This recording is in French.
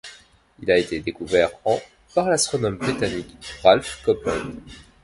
Il a été découvert en par l'astronome britannique Ralph Copeland.